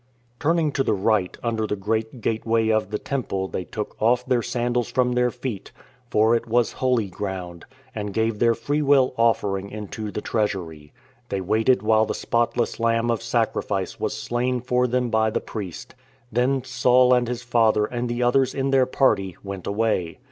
Turning to the right under the great gateway of the Temple they took off their sandals from their feet, " for it was holy ground," and gave their freewill offering into the Treasury. They waited while the spotless lamb of sacrifice was slain for them by the priest. Then Saul and his father and the others in their party went away.